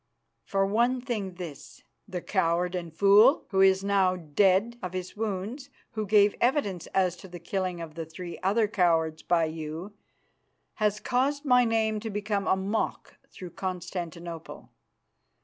"For one thing, this: The coward and fool, who now is dead of his wounds who gave evidence as to the killing of the three other cowards by you, has caused my name to become a mock throughout Constantinople.